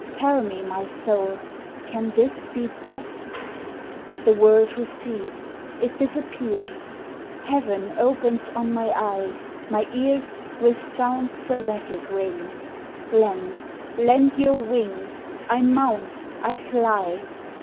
Tell me, my soul, can this be death ? The world recedes ; it disappears ! Heaven opens on my eyes ! my ears With sounds seraphic ring : Lend, lend your wings ! I mount ! I fly